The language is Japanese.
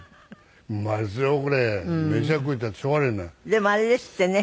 でもあれですってね。